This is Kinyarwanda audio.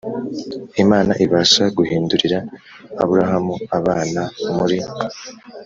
Imana ibasha guhindurira Aburahamu abana muri